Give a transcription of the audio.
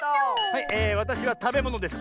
はいわたしはたべものですか？